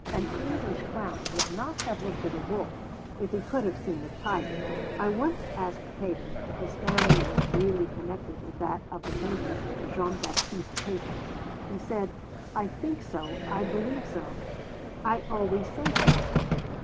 'An English clown would not have looked at a wolf if he could have seen a tiger.' I once asked Pater if his family was really connected with that of the painter, Jean Baptiste Pater. He said: 'I think so, I believe so, I always say so.'